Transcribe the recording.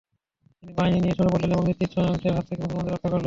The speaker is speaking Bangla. তিনি বাহিনী নিয়ে সরে পড়লেন এবং নিশ্চিত ধ্বংসের হাত থেকে মুসলমানদেরকে রক্ষা করলেন।